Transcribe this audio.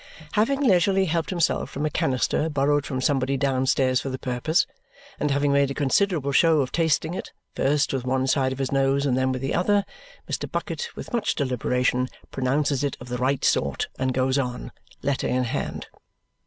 Having leisurely helped himself from a canister borrowed from somebody downstairs for the purpose, and having made a considerable show of tasting it, first with one side of his nose and then with the other, Mr. Bucket, with much deliberation, pronounces it of the right sort and goes on, letter in hand.